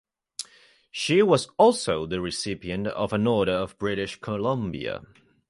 She was also the recipient of an Order of British Columbia.